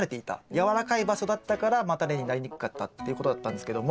やわらかい場所だったから叉根になりにくかったっていうことだったんですけども。